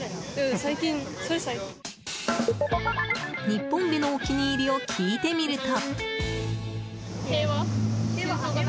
日本でのお気に入りを聞いてみると。